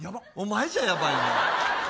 お前じゃヤバいの。